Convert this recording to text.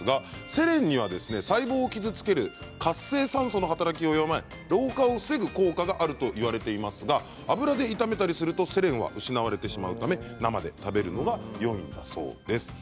セレンには細胞を傷つける活性酸素の働きを弱め老化を防ぐ効果があるといわれていますが油で炒めたりするとセレンは失われてしまうため生で食べるのがよいんだそうです。